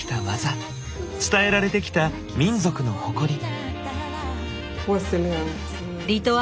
伝えられてきた「民族の誇り」。